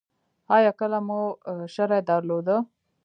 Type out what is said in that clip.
ایا کله مو شری درلوده؟